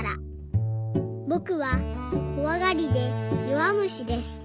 「ぼくはこわがりでよわむしです。